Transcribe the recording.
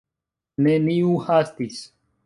Neniu hastis.